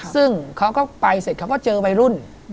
ซึ่งเขาก็ไปเสร็จเขาก็เจอวัยรุ่น